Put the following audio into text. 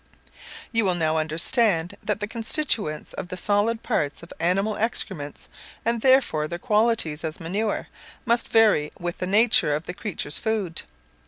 You will now understand that the constituents of the solid parts of animal excrements, and therefore their qualities as manure, must vary with the nature of the creature's food.